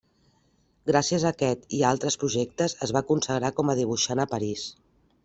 Gràcies a aquest i a altres projectes es va consagrar com a dibuixant a París.